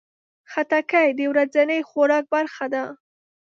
خټکی د ورځني خوراک برخه ده.